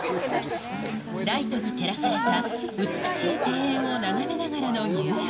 ライトに照らされた美しい庭園を眺めながらの入浴。